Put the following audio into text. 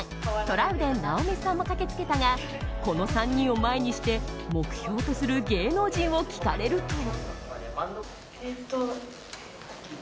トラウデン直美さんも駆けつけたがこの３人を前にして目標とする芸能人を聞かれると。